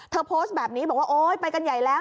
โพสต์แบบนี้บอกว่าโอ๊ยไปกันใหญ่แล้ว